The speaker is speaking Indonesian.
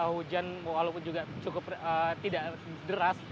hujan walaupun juga cukup tidak deras